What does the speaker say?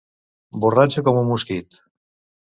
Borratxo com un mosquit.